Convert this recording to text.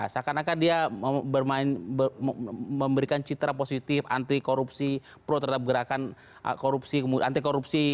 seakan akan dia memberikan citra positif anti korupsi pro terhadap gerakan korupsi anti korupsi